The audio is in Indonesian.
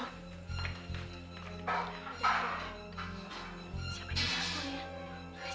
siapa yang di dapur ya